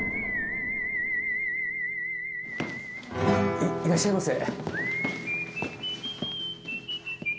いいらっしゃいませ。